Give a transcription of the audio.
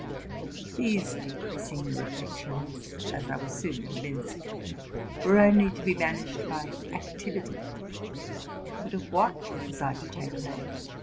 These depressing reflections, as I was soon convinced, were only to be banished by activity ; but of what was I to 182 TRUTH AND FICTION take hold?